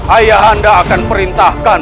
ayahanda akan perintahkan